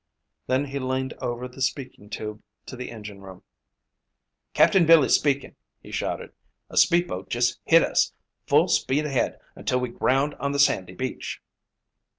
Then he leaned over the speaking tube to the engine room. "Captain Billy speaking," he shouted. "A speed boat just hit us. Full speed ahead until we ground on the sandy beach."